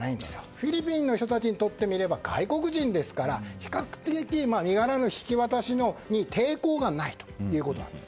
フィリピンの人たちにとってみれば外国人ですから比較的、身柄の引き渡しに抵抗がないということです。